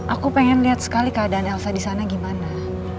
aku pengen lihat sekali keadaan elsa di sana gimana